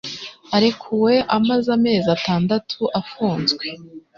arekuwe amaze amezi atandatu afunzwe